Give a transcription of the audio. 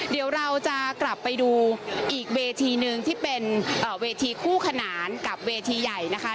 เดี๋ยวเราจะกลับไปดูอีกเวทีหนึ่งที่เป็นเวทีคู่ขนานกับเวทีใหญ่นะคะ